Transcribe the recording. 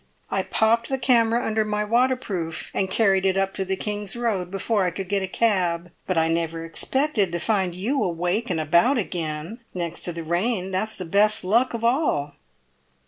I popped the camera under my waterproof, and carried it up to the King's Road before I could get a cab. But I never expected to find you awake and about again; next to the rain that's the best luck of all!"